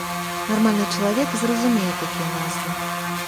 Нармальны чалавек зразумее такія назвы.